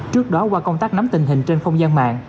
trước đó qua công tác nắm tình hình trên không gian mạng